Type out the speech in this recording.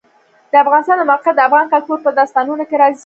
د افغانستان د موقعیت د افغان کلتور په داستانونو کې راځي.